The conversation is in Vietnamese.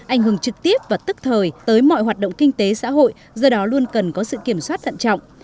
ảnh hưởng trực tiếp và tức thời tới mọi hoạt động kinh tế xã hội do đó luôn cần có sự kiểm soát thận trọng